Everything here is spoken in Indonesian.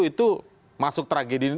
itu masuk tragedi